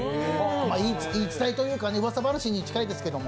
言い伝えというかうわさ話に近いんですけど。